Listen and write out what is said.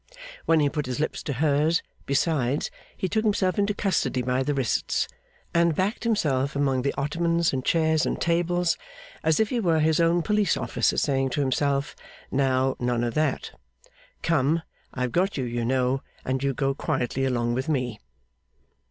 When he put his lips to hers, besides, he took himself into custody by the wrists, and backed himself among the ottomans and chairs and tables as if he were his own Police officer, saying to himself, 'Now, none of that! Come! I've got you, you know, and you go quietly along with me!